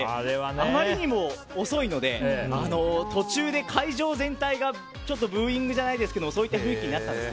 あまりにも遅いので途中で会場全体がブーイングじゃないですけどそういった雰囲気になったんです。